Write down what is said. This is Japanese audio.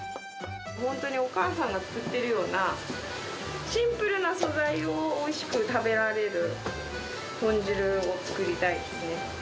本当にお母さんが作ってるような、シンプルな素材をおいしく食べられる豚汁を作りたいですね。